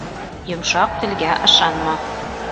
Йомшаҡ телгә ышанма.